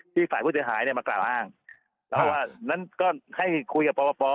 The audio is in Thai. ฝ่ายผู้เสียหายเนี่ยมากล่าวอ้างแล้วว่านั้นก็ให้คุยกับปป